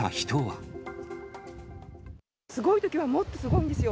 すごいときは、もっとすごいんですよ。